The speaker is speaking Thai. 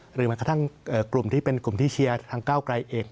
หรือแม้กระทั่งกลุ่มที่เป็นกลุ่มที่เชียร์ทางก้าวไกลเอง